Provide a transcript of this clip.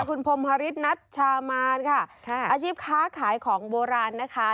คุณพรมฮริสนัชชามานค่ะอาชีพค้าขายของโบราณนะคะ